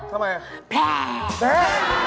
ทำไมแพ้เจ๊